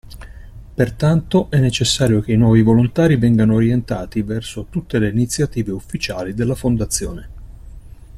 Pertanto, è necessario che i nuovi volontari vengano orientati verso tutte le iniziative ufficiali della fondazione.